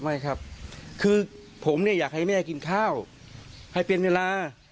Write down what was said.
ไม่ครับคือผมเนี่ยอยากให้แม่กินข้าวให้เป็นเวลา